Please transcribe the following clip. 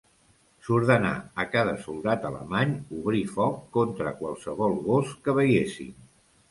S'ordenà a cada soldat alemany obrir foc contra qualsevol gos que veiessin.